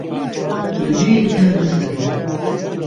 لە جێیەکا دەس ئەگرن